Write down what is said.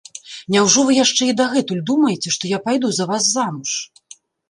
Няўжо вы яшчэ і дагэтуль думаеце, што я пайду за вас замуж?